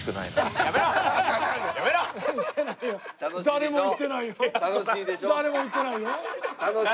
誰も言ってないよ。